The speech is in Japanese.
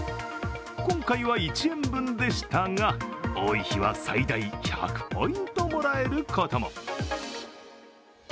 今回は１円分でしたが、多い日は最大１００ポイントもらえることも。